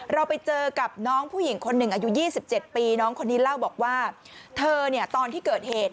เราไปเจอกับน้องผู้หญิงคนหนึ่งอายุ๒๗ปีน้องคนนี้เล่าบอกว่าเธอเนี่ยตอนที่เกิดเหตุ